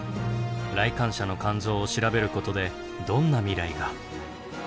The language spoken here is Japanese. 来館者の肝臓を調べることでどんな未来が。